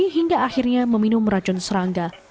hingga akhirnya meminum racun serangga